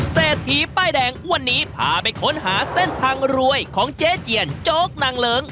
เศรษฐีป้ายแดงวันนี้พาไปค้นหาเส้นทางรวยของเจ๊เจียนโจ๊กนางเลิ้ง